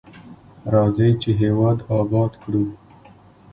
راځئ چې هیواد اباد کړو.